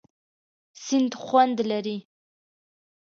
سیند خوند لري.